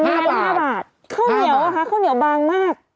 ข้าวเหนียวน่ะค่ะข้าวเหนียวบางมาก